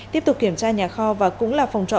tiếp tục kiểm tra nhà kho và cũng là phòng trọ